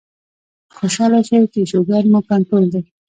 خوشاله شئ چې شوګر مو کنټرول دے